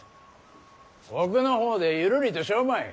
奥の方でゆるりとしようまい。